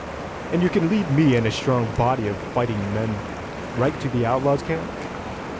"And you could lead me and a strong body of fighting men right to the outlaws' camp?"